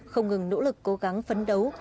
không ngừng nỗ lực cố gắng phấn đấu